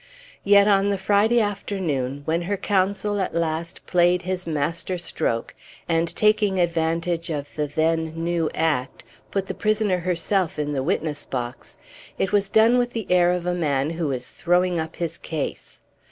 Yet, on the Friday afternoon, when her counsel at last played his masterstroke, and, taking advantage of the then new Act, put the prisoner herself in the witness box, it was done with the air of a man who is throwing up his case.